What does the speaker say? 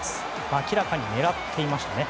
明らかに狙っていましたね。